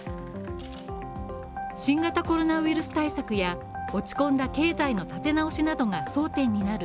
新型コロナウイルス対策や落ち込んだ経済の立て直しなどが争点になる